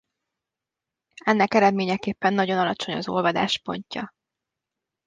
Ennek eredményeképpen nagyon alacsony a olvadáspontja.